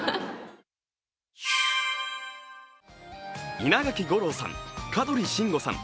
稲垣吾郎さん、香取慎吾さん